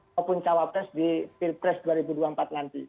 maupun cawapres di pilpres dua ribu dua puluh empat nanti